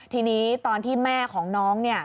ทีนี้ตอนที่แม่ของน้องเนี่ย